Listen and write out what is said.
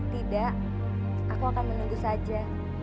tidak aku akan menunggu saja